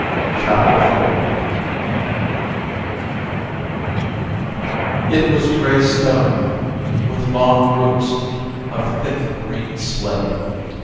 CHAPTER IV It was gray stone, with long roofs of thick green slate.